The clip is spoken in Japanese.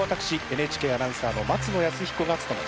ＮＨＫアナウンサーの松野靖彦がつとめます。